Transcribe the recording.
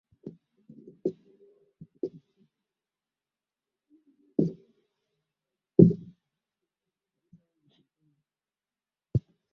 Walirudi nchini Ureno Tarehe ishirini na tisa mwezi wa nane